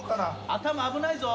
頭危ないぞ。